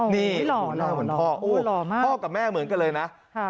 นี่หน้าเหมือนพ่อพ่อกับแม่เหมือนกันเลยนะ